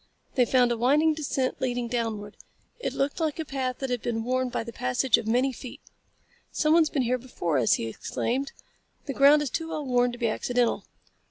They found a winding descent leading downward. It looked like a path that had been worn by the passage of many feet. "Someone's been here before us," he exclaimed. "The ground is too well worn to be accidental."